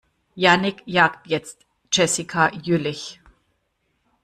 Jannick jagt jetzt Jessica Jüllich.